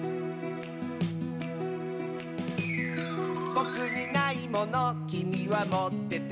「ぼくにないものきみはもってて」